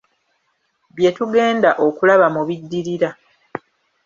Bye tugenda okulaba mu biddirira.